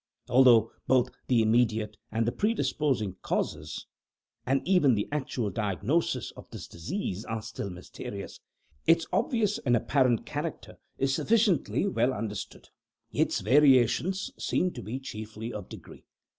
Although both the immediate and the predisposing causes, and even the actual diagnosis, of this disease are still mysterious, its obvious and apparent character is sufficiently well understood. Its variations seem to be chiefly of degree.